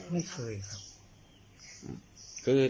ไม่เคยครับ